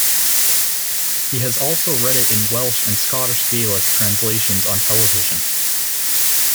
He has also read it in Welsh and Scottish Gaelic translations on television.